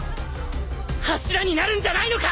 柱になるんじゃないのか！